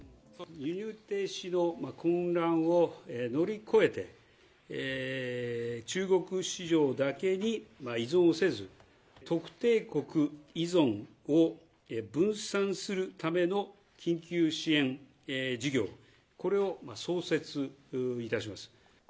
輸入停止の混乱を乗り越えて、中国市場だけに依存をせず、特定国依存を分散するための緊急支援事業、これを創設いたします。